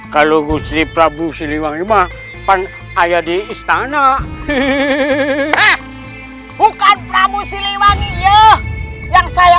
kalau gusti prabu siliwangi mah pan ayah di istana bukan prabu siliwangi ya yang saya